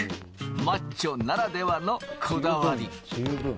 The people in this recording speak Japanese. マッチョならではのこだわり。